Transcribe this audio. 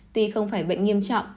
tuy không phải bệnh nghiêm trọng